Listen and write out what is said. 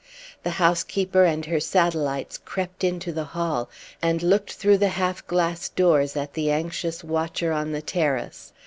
The housekeeper and her satellites crept into the hall, and looked through the half glass doors at the anxious watcher on the terrace.